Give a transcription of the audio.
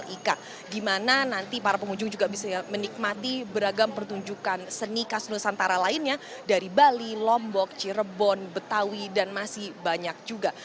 di mana nanti para pengunjung juga bisa menikmati beragam pertunjukan seni khas nusantara lainnya dari bali lombok cirebon betawi dan masih banyak juga